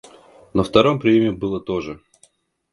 На втором приеме было то же.